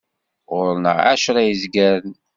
Ɣur-neɣ εecra n yizgaren.